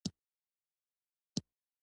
د کور فضا خرابوي.